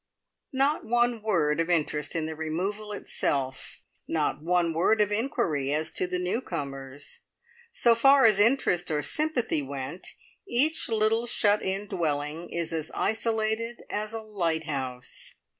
Not one word of interest in the removal itself! Not one word of inquiry as to the newcomers. So far as interest or sympathy went, each little shut in dwelling is as isolated as a lighthouse.